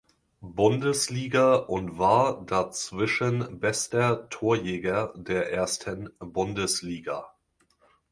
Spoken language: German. Bundesliga und war dazwischen bester Torjäger der ersten Bundesliga.